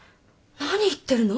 何言ってるの？